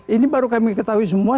ini baru kami ketahui semua